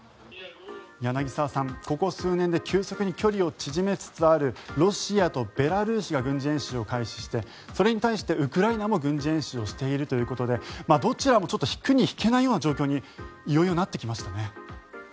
柳澤さん、ここ数年で急速に距離を縮めつつあるロシアとベラルーシが軍事演習を開始してそれに対してウクライナも軍事演習をしているということでどちらも引くに引けない状況にいよいよなってきましたね。